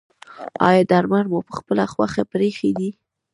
ایا درمل مو پخپله خوښه پریښي دي؟